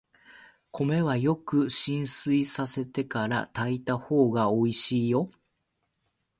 米はよく浸水させてから炊いたほうがおいしいよ。